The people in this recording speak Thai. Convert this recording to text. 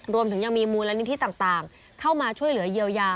รวมถึงยังมีมูลนิธิต่างเข้ามาช่วยเหลือเยียวยา